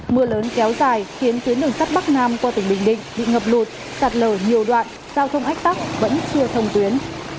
mưa lớn kéo dài khiến tuyến đường sắt bắc nam qua tỉnh bình định bị ngập lụt sạt lở nhiều đoạn giao thông ách tắc vẫn chưa thông tuyến